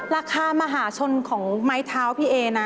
ราคามหาชนของไม้เท้าพี่เอนะ